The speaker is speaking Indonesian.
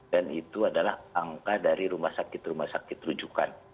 dan itu adalah angka dari rumah sakit rumah sakit rujukan